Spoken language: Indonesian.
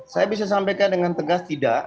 saya bisa sampaikan dengan tegas tidak